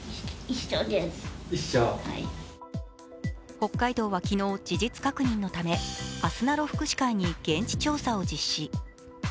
北海道は昨日、事実確認のためあすなろ福祉会に現地調査を実施。